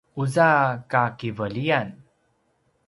uza kakiveliyan